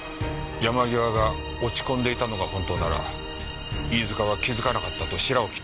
山際が落ち込んでいたのが本当なら飯塚は気づかなかったとシラを切った事になる。